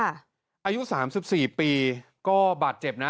อายุ๓๔ปีก็บาดเจ็บนะ